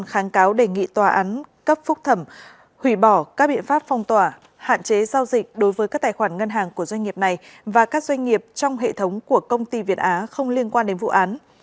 hạn chế giao dịch đối với các tài khoản ngân hàng của doanh nghiệp này và các doanh nghiệp trong hệ thống của công ty việt á không liên quan đến vụ án